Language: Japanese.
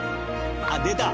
「あっ出た！」